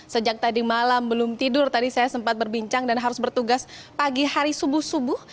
sejak tadi malam belum tidur tadi saya sempat berbincang dan harus bertugas pagi hari subuh subuh